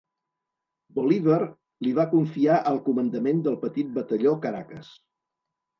Bolívar li va confiar el comandament del petit batalló Caracas.